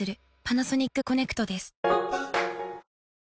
パナソニックコネクトです。